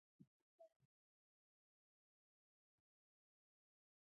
په ایران کې زېږېدلی وو.